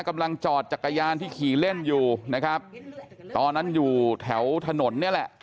กำลังจอดจักรยานที่ขี่เล่นอยู่นะครับตอนนั้นอยู่แถวถนนเนี่ยแหละ